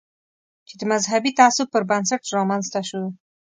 چې د مذهبي تعصب پر بنسټ رامنځته شو.